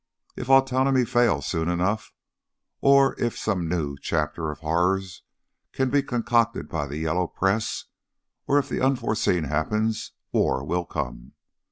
If autonomy fails soon enough, or if some new chapter of horrors can be concocted by the Yellow Press, or if the unforeseen happens, war will come.